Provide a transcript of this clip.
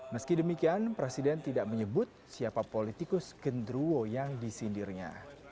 meski demikian presiden tidak menyebut siapa politikus gendruwo yang disindirnya